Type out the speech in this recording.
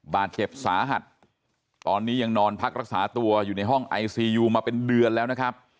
บาดเจ็บสาหัสตอนนี้ยังนอนพักรักษาตัวอยู่ในห้องไอซียูมาเป็นเดือนแล้วนะครับ